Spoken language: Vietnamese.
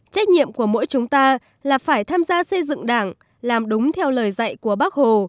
trách nhiệm của mỗi chúng ta là phải tham gia xây dựng đảng làm đúng theo lời dạy của bác hồ